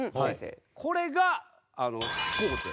これが始皇帝。